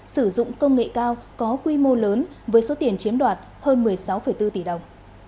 sử dụng công nghệ cao có quy mô lớn với số tiền chiếm đoạt hơn một mươi sáu bốn tỷ đồng